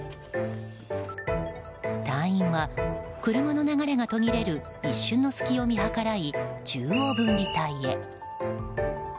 隊員は車の流れが途切れる一瞬の隙を見計らい中央分離帯へ。